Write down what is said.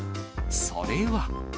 それは。